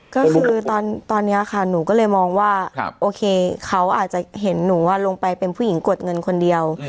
ก็คือตอนนี้ค่ะหนูก็เลยมองว่าโอเคเขาอาจจะเห็นหนูลงไปเป็นผู้หญิงกดเงินคนเดียว